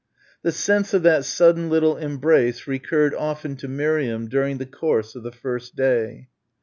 The sense of that sudden little embrace recurred often to Miriam during the course of the first day.